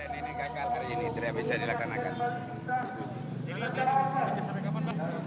sidang online ini gagal hari ini tidak bisa dilakukan